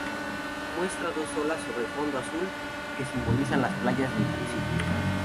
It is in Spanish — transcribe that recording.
Muestra dos olas sobre fondo azul, que simbolizan las playas del municipio.